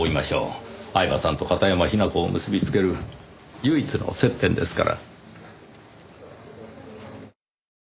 饗庭さんと片山雛子を結び付ける唯一の接点ですから。